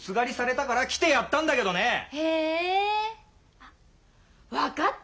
あっ分かった！